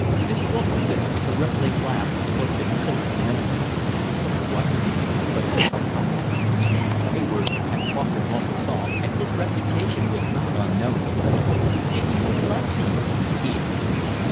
Miss Wilkinson with a rippling laugh looked at Philip knowingly. What a man, but what a writer! Hayward had talked of Maupassant, and his reputation was not unknown to Philip. "Did he make love to you?" he asked.